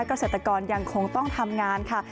เกษตรกรยังคงต้องทำงานค่ะ